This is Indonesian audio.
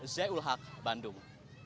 zaiul haq bandung